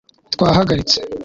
twahagaritse